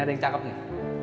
ada yang cakep nih